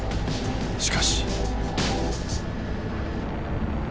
しかし。